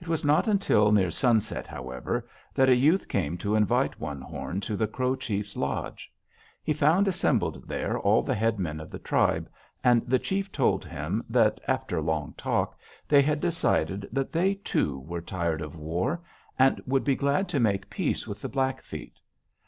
"It was not until near sunset, however, that a youth came to invite One Horn to the Crow chief's lodge. He found assembled there all the head men of the tribe, and the chief told him that, after long talk, they had decided that they, too, were tired of war, and would be glad to make peace with the Blackfeet.